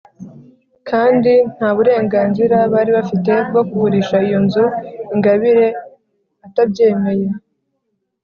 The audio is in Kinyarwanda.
kandi ntaburenganzira bari bafite bwo kugurisha iyo nzu ingabire atabyemeye.